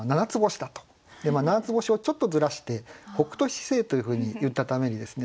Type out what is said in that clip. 七つ星をちょっとずらして「北斗七星」というふうに言ったためにですね